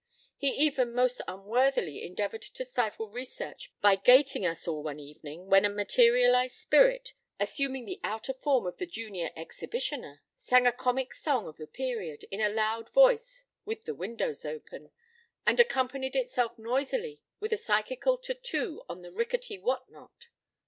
He even most unworthily endeavoured to stifle research by gating us all one evening when a materialized spirit, assuming the outer form of the junior exhibitioner, sang a comic song of the period in a loud voice with the windows open, and accompanied itself noisily with a psychical tattoo on the rickety what not.